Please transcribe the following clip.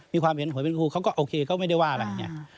มีความเห็นหวยเป็นครูเขาก็โอเคก็ไม่ได้ว่าอะไรเนี่ย